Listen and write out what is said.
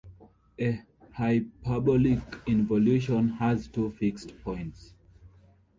A hyperbolic involution has two fixed points.